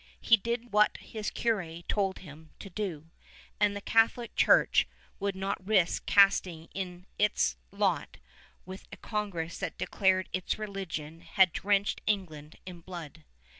He did what his curé told him to do; and the Catholic Church would not risk casting in its lot with a Congress that declared its religion had drenched England in blood.